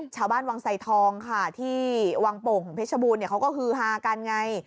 ชาวบ้านวังไสทองค่ะที่วังโป่งของเพชรบูรณ์เขาก็ฮือฮากันไง